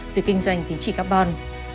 từ kinh doanh tính trị carbon